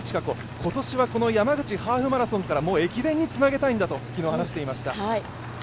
今年は山口ハーフマラソンから駅伝につなげたいんだと話していました。